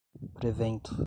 prevento